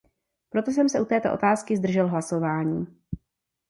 Proto jsem se u této otázky zdržel hlasování.